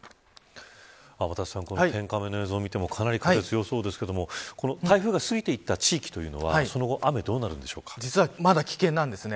天達さん天カメラの映像見てもかなり強そうですが台風が過ぎていった地域というのは実は、まだ危険なんですね。